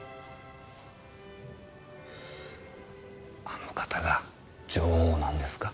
あの方が女王なんですか？